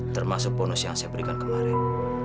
termasuk bonus yang saya berikan kemarin